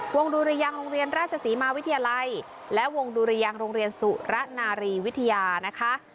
ดุรยังโรงเรียนราชศรีมาวิทยาลัยและวงดุรยังโรงเรียนสุระนารีวิทยานะคะ